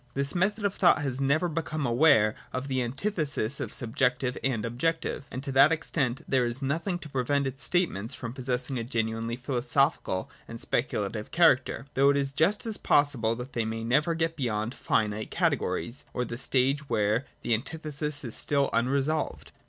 27.] This method of thought has never become aware of the antithesis of subjective and objective: and to that extent there is nothing to prevent its statements from possessing a genuinely philosophical and speculative character, though it is just as possible that they may never get beyond finite categories, or the stage where the antithesis is still unresolved.